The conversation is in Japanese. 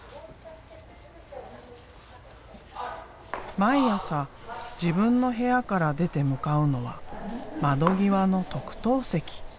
毎朝自分の部屋から出て向かうのは窓際の特等席。